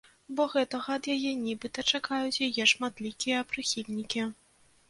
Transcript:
Бо гэтага ад яе нібыта чакаюць яе шматлікія прыхільнікі.